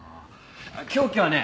凶器はね